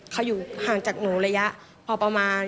เขาอยู่ห่างจากหนูระยะพอประมาณ